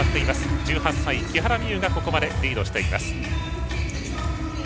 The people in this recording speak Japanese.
１８歳、木原美悠がここまでリードしています。